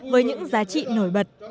với những giá trị nổi bật